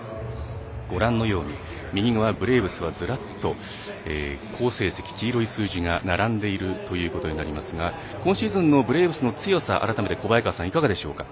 ご覧のように、ブレーブスはずらっと好成績、黄色い数字が並んでいるということになりますが今シーズンのブレーブスの強さ改めて小早川さん、いかがでしょうか？